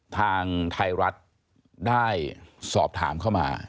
ทางไทยรัฐได้สอบถามเข้ามา